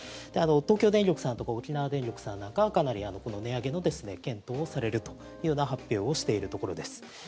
東京電力さんとか沖縄電力さんなんかはかなり値上げの検討をされると発表をしているところです。